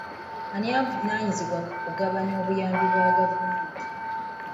Ani avunaanyizibwa ku kugabanya obuyambi bwa gavumenti.